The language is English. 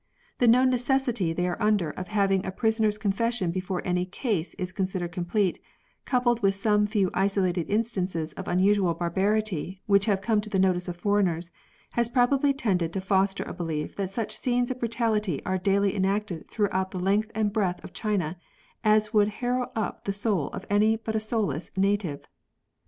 The known necessity they are under of having a prisoner's confession before any " case " is considered complete, coupled AA'ith some few isolated instances of unusual barbarity which have come to the notice of foreigners, has probably tended to foster a belief that such scenes of brutality are daily enacted throughout the length and breadth of China as would harrow up the soul of any but a soulless native.